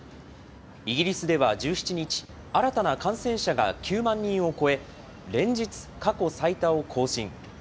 イギリスでは１７日、新たな感染者が９万人を超え、連日、過去最多を更新。